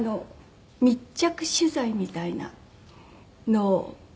密着取材みたいなのを。